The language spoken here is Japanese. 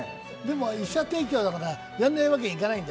１社提供だから、やらないわけにいかないんだ？